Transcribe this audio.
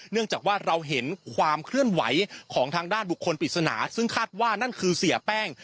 จากว่าเราเห็นความเคลื่อนไหวของทางด้านบุคคลปริศนาซึ่งคาดว่านั่นคือเสียแป้ง